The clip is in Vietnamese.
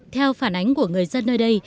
theo phản ánh của người dân nơi đây